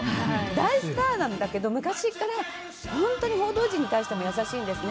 大スターなんだけど昔っから、本当に報道陣に対しても優しいんですね。